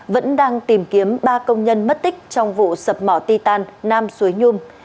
vẫn đang tìm kiếm ba công nhân mất tích trong vụ sập mỏ ti tan nam suối nhung